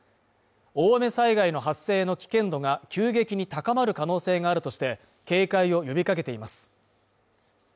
大雨災害の発生の危険度が急激に高まる可能性があるとして警戒を呼びかけています。